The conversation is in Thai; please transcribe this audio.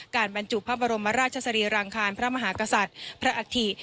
บรรจุพระบรมราชสรีรางคารพระมหากษัตริย์พระอัฐิ